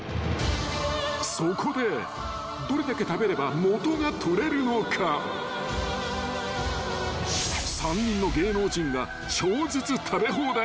［そこでどれだけ食べれば元が取れるのか３人の芸能人が］